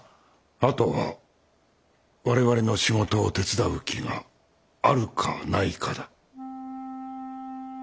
あとは我々の仕事を手伝う気があるかないかだ。